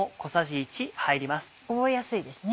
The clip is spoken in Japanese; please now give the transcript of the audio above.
覚えやすいですね。